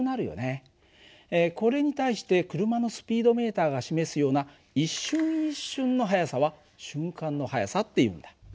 これに対して車のスピードメーターが示すような一瞬一瞬の速さは瞬間の速さっていうんだ。